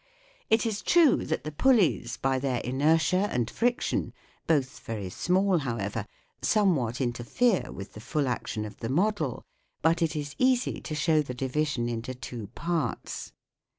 It is true that the pulleys by their inertia and friction both very small, however somewhat interfere with the full action of the model ; but it is easy to show the division into two parts.